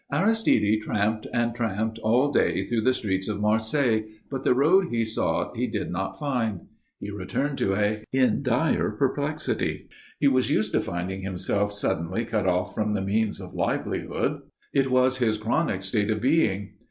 Aristide tramped and tramped all day through the streets of Marseilles, but the road he sought he did not find. He returned to Aix in dire perplexity. He was used to finding himself suddenly cut off from the means of livelihood. It was his chronic state of being.